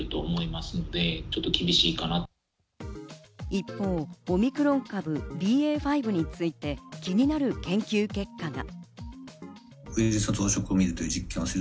一方、オミクロン株ＢＡ．５について、気になる研究結果が。